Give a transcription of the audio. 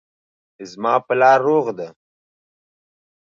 زما پلار روغ ده